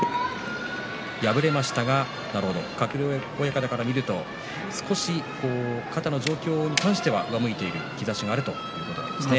敗れましたが鶴竜親方から見ると少し肩の状況に対しては上向いている兆しがあるということですね。